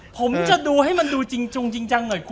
ผมจะดูให้มันดูจริงจังหน่อย